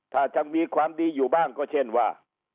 ถ้ายังมีความดีอยู่บ้างก็เช่นว่า